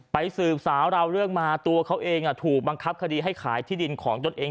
สืบสาวราวเรื่องมาตัวเขาเองถูกบังคับคดีให้ขายที่ดินของตนเอง